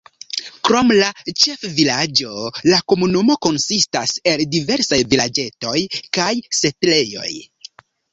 Krom la ĉefvilaĝo la komunumo konsistas el diversaj vilaĝetoj kaj setlejoj.